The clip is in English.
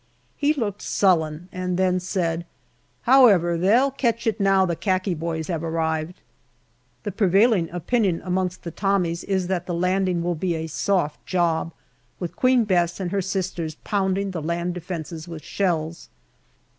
He looked sullen, and then said, " However, they'll catch it now the khaki boys have arrived." The prevailing opinion amongst the Tommies is that the landing will be a soft job, with Queen Bess and her sisters pounding the land defences with shells.